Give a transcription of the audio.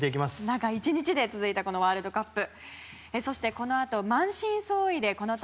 中１日で続いたこのワールドカップ。